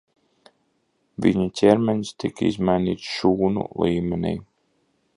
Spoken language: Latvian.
Viņa ķermenis tika izmainīts šūnu līmenī.